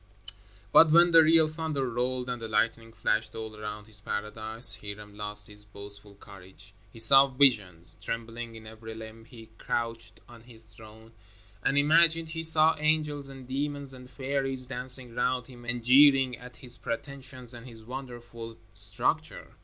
But when the real thunder rolled and the lightning flashed all around his paradise, Hiram lost his boastful courage. He saw visions. Trembling in every limb, he crouched on his throne and imagined he saw angels and demons and fairies dancing round him and jeering at his pretensions and his wonderful structure.